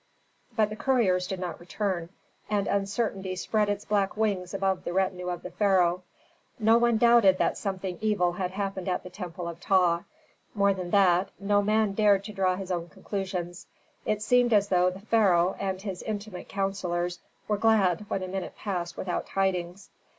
But the couriers did not return, and uncertainty spread its black wings above the retinue of the pharaoh. No one doubted that something evil had happened at the temple of Ptah. More than that, no man dared to draw his own conclusions. It seemed as though the pharaoh and his intimate counsellors were glad when a minute passed without tidings.